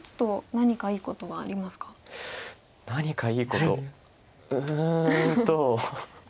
何かいいことうんと。